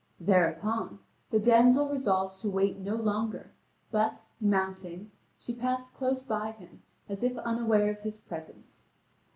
Thereupon, the damsel resolves to wait no longer, but, mounting, she passed close by him, as if unaware of his presence.